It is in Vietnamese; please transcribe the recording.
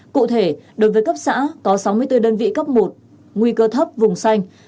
cụ thể đối với cấp xã có sáu mươi bốn đơn vị cấp một nguy cơ thấp vùng xanh